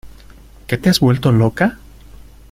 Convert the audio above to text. ¿Que te has vuelto loca?